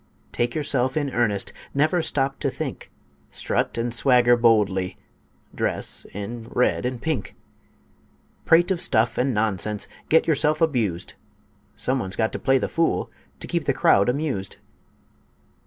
Take yourself in earnest, never stop to think, Strut and swagger boldly, dress in red and pink; Prate of stuff and nonsense, get yourself abused; Some one's got to play the fool to keep the crowd amused!